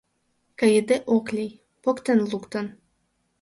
Кайыде ок лий — поктен луктын.